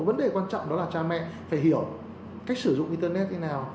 vấn đề quan trọng đó là cha mẹ phải hiểu cách sử dụng internet như thế nào